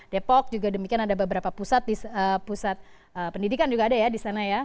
depok juga demikian ada beberapa pusat pendidikan juga ada ya di sana ya